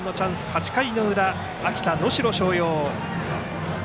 ８回の裏、秋田・能代松陽。